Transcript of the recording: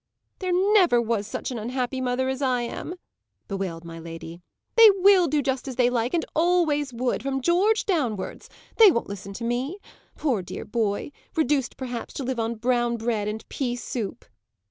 "There never was such an unhappy mother as I am!" bewailed my lady. "They will do just as they like, and always would, from George downwards: they won't listen to me. Poor dear boy! reduced, perhaps, to live on brown bread and pea soup!"